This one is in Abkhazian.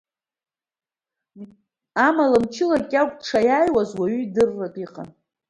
Амала мычла Кьагәа дсаиааиуаз уаҩы идырратәы иҟан.